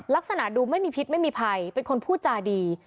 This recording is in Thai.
ลักษณะดูไม่มีพิษไม่มีภัยเป็นคนพูดจาดี